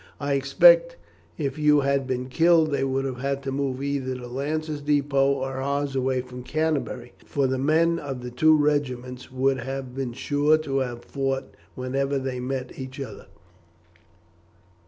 I expect if you had been killed they would have had to move either the Lancers' depôt or ours away from Canterbury, for the men of the two regiments would have been sure to have fought whenever they met each other."